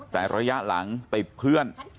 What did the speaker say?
แต่ระยะหลังติดเพื่อน